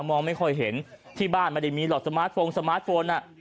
มองไม่ค่อยเห็นที่บ้านไม่ได้มีหรอกสมาร์ทโฟนสมาร์ทโฟน